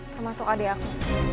termasuk adik aku